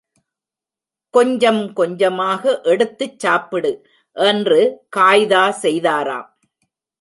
கொஞ்சம் கொஞ்சமாக எடுத்துச் சாப்பிடு! என்று காய்தா செய்தாராம்!